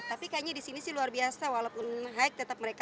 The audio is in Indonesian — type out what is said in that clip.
tapi kayaknya di sini sih luar biasa walaupun high tetap mereka